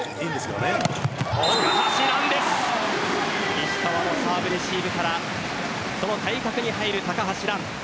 石川のサーブレシーブからその対角に入る高橋藍。